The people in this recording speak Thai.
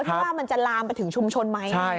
ถ้ามันจะลามไปถึงชุมชนไหม